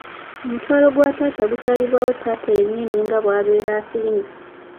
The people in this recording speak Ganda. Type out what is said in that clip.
Omutwalo gwa taata gusalibwawo taata ye nnyini nga bw’abeera asiimye.